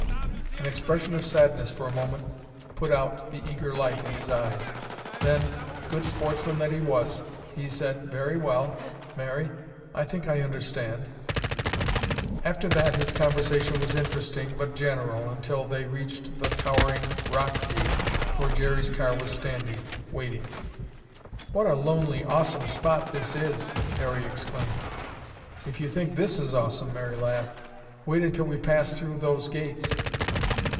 An expression of sadness for a moment put out the eager light in his eyes, then, good sportsman that he was, he said, "Very well, Mary. I think I understand." After that his conversation was interesting, but general, until they reached the towering rock gate where Jerry's car was standing, waiting. "What a lonely, awesome spot this is!" Harry exclaimed. "If you think this is awesome," Mary laughed, "wait until we pass through those gates."